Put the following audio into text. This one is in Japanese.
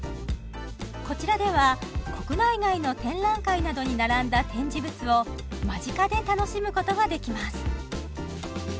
こちらでは国内外の展覧会などに並んだ展示物を間近で楽しむことができます